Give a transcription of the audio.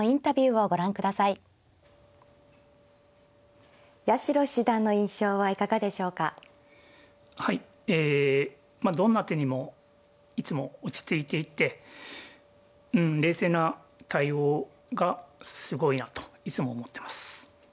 はいえどんな手にもいつも落ち着いていてうん冷静な対応がすごいなといつも思ってます。